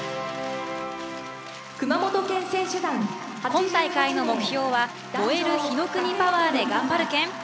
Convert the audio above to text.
今大会の目標は「燃える火の国パワーで頑張るけん」。